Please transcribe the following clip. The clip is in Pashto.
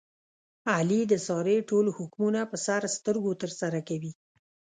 علي د سارې ټول حکمونه په سر سترګو ترسره کوي.